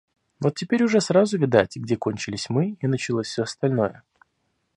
Вот теперь уже сразу видать, где кончились мы и началось всё остальное.